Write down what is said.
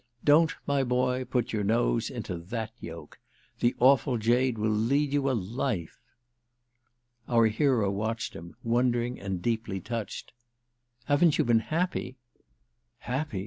Don't, my boy, put your nose into that yoke. The awful jade will lead you a life!" Our hero watched him, wondering and deeply touched. "Haven't you been happy!" "Happy?